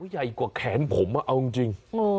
ใหญ่กว่าแขนผมเอาจริง